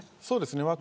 そうですね。